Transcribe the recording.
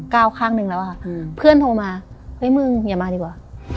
ข้างนึงแล้วอะค่ะเพื่อนโทรมาเฮ้ยมึงอย่ามาดีกว่า